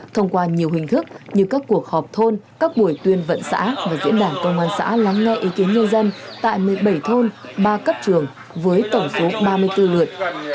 thông qua nhiều hình thức như các cuộc họp thôn các buổi tuyên vận xã và diễn đàn công an xã lắng nghe ý kiến nhân dân tại một mươi bảy thôn ba cấp trường với tổng số ba mươi bốn lượt